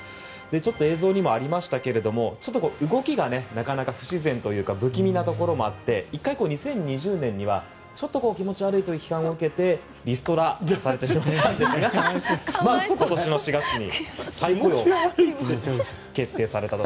映像にもありましたが動きが、なかなか不自然というか不気味なところもあって１回、２０２０年には気持ち悪いという批判を受けてリストラされてしまったんですが今年の４月に再雇用が決定されたと。